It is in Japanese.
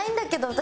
私